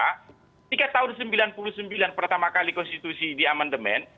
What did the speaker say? ketika tahun seribu sembilan ratus sembilan puluh sembilan pertama kali konstitusi di amandemen